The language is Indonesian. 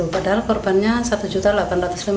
padahal korbannya rp satu delapan ratus lima puluh